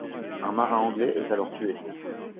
Un marin anglais est alors tué.